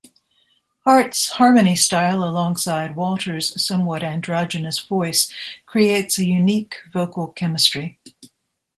Hart's harmony style alongside Walter's somewhat androgynous voice creates a unique vocal chemistry.